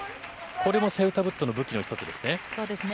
これもセウタブットの武器の一つですね。